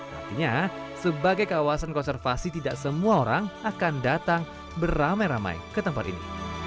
artinya sebagai kawasan konservasi tidak semua orang akan datang beramai ramai ke tempat ini